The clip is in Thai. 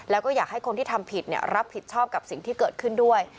แล้วก็อยากให้คนที่ทำผิดรับผิดชอบกับสิ่งที่เกิดขึ้นด้วย